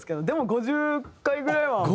でも５０回ぐらいは。